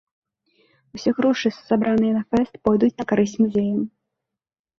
Усе грошы, сабраныя на фэст пойдуць на карысць музея.